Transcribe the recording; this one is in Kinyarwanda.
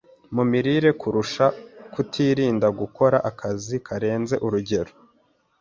mu mirire kurusha kutirinda dukora akazi karenze urugero.